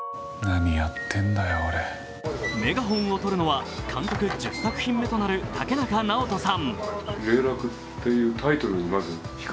メガホンをとるのは監督１０作品目となる竹中直人さん。